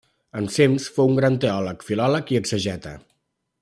Ensems fou un gran teòleg, filòleg i exegeta.